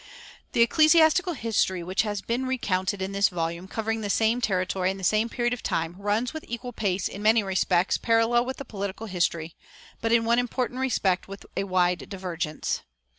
The ecclesiastical history which has been recounted in this volume, covering the same territory and the same period of time, runs with equal pace in many respects parallel with the political history, but in one important respect with a wide divergence.